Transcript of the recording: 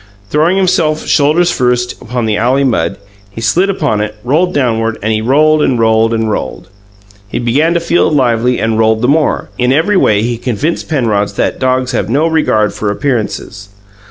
Throwing himself, shoulders first, upon the alley mud, he slid upon it, back downward; he rolled and rolled and rolled. He began to feel lively and rolled the more; in every way he convinced Penrod that dogs have no regard for appearances.